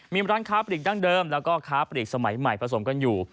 มีร้านค้าปลีกดั้งเดิมแล้วก็ค้าปลีกสมัยใหม่ผสมกันอยู่